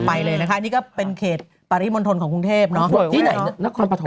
ไปเลยนะคะนี่ก็เป็นเขตปริมณฑลของกรุงเทพเนาะที่ไหนนครปฐม